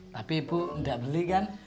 tapi ibu tidak beli kan